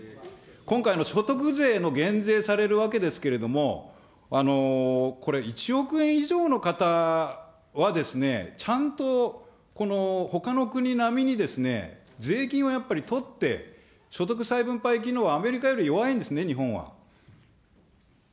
今回の所得税の減税されるわけですけれども、これ、１億円以上の方は、ちゃんとこのほかの国並みに税金をやっぱり取って、所得再分配機能はアメリカより弱いんですね、日本は。